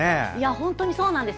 本当にそうなんです。